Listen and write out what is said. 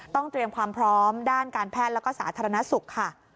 เตรียมความพร้อมด้านการแพทย์แล้วก็สาธารณสุขค่ะ